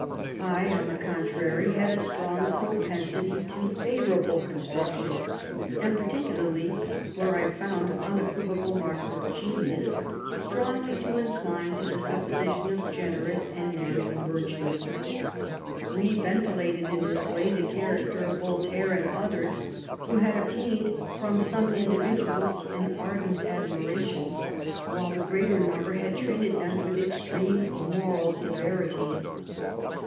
I, on the contrary, had a strong propensity to favour able construction, and, particularly where I found unequivocal marks of genius, strongly to incline to the supposition of generous and manly virtue. We ventilated in this way the character of Voltaire and others, who have obtained from some individuals an ardent ad miration, while the greater number have treated them with extreme moral severity.